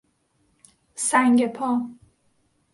سنگ پا